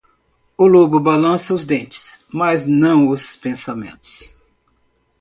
O lobo balança os dentes, mas não os pensamentos.